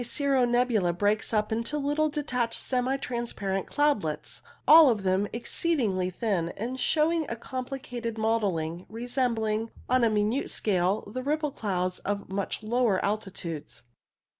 D O 6 q: CIRRO NEBULA 27 Occasionally cirro nebula breaks up into little detached semi transparent cloudlets, all of them ex ceedingly thin, and showing a complicated mottling, resembling, on a minute scale, the ripple clouds of much lower altitudes.